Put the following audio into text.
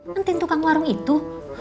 mending tukang warung itu